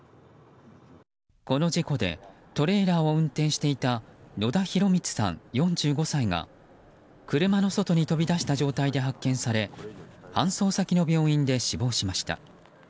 この事故でトレーラーを運転していた野田浩光さん、４５歳が車の外に飛び出した状態で発見され搬送先の病院で死亡しました。